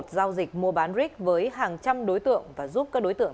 giao dịch mua bán rick với hàng trăm đối tượng và giúp các đối tượng